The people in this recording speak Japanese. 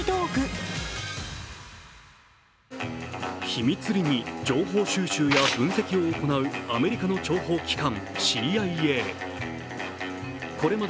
秘密裏に情報収集や分析を行うアメリカの諜報機関ＣＩＡ。